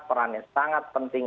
perannya sangat penting